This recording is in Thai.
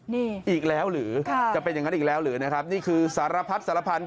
นี่ค่ะจะเป็นอย่างนั้นอีกแล้วหรือนะครับนี่คือสารพัดสารพันธุ์